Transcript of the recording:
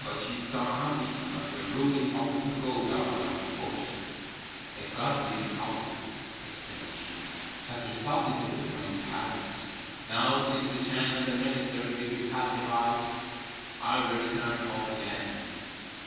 But she saw nothing but the ruins of the pagoda and of the Burchan. 'A godly providence,' exclaimed she, 'has resuscitated my parents. Now since the Chan and the ministers will be pacified, I will return home again.'